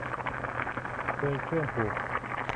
เรือนเครื่องผูก